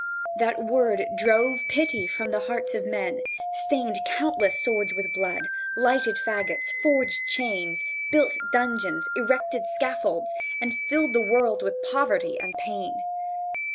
That word drove pity from the hearts of men, stained countless swords with blood, lighted fagots, forged chains, built dungeons, erected scaffolds, and filled the world with poverty and pain.